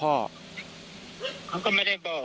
เขาก็ไม่ได้บอก